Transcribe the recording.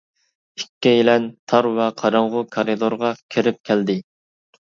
ئىككىيلەن تار ۋە قاراڭغۇ كارىدورغا كىرىپ كەلدى.